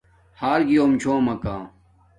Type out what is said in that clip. ہݳر گݵݸم چھݸمَکݳ.